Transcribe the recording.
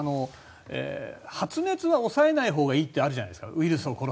発熱は抑えないほうがいいとかあるじゃないですか。